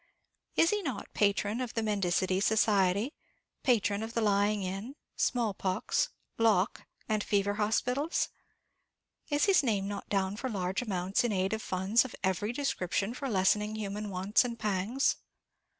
Is he not patron of the Mendicity Society, patron of the Lying in, Small Pox, Lock, and Fever Hospitals? Is his name not down for large amounts in aid of funds of every description for lessening human wants and pangs?